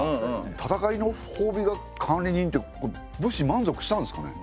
戦いのほうびが管理人って武士満足したんですかね？